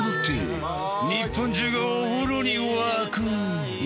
［日本中がお風呂に沸く］